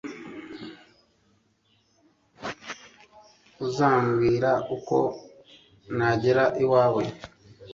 uzambwira uko nagera iwawe